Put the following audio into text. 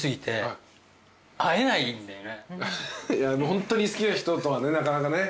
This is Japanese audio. ホントに好きな人とはねなかなかね。